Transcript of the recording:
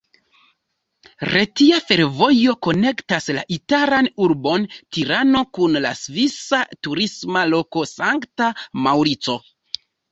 Retia fervojo konektas la italan urbon Tirano kun la svisa turisma loko Sankta Maŭrico.